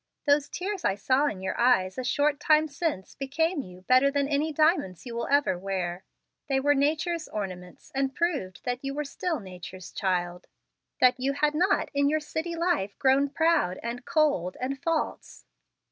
Those tears I saw in your eyes a short time since became you better than any diamonds you will ever wear. They were nature's ornaments, and proved that you were still nature's child, that you had not in your city life grown proud, and cold, and false.